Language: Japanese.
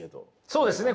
そうですね。